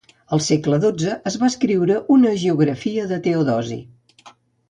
Al segle XII es va escriure una hagiografia de Teodosi.